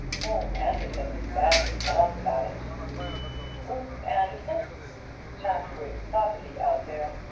Old Anderson is badly cut up about it." "Who's Anderson?" "Chap with property out there.